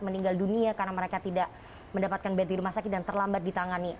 meninggal dunia karena mereka tidak mendapatkan bed di rumah sakit dan terlambat ditangani